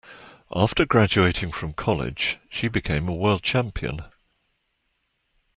After graduating from college, she became a world champion.